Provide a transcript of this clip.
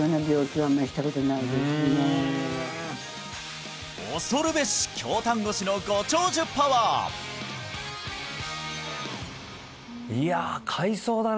はい恐るべし京丹後市のご長寿パワーいや海藻だね